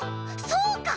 そうか！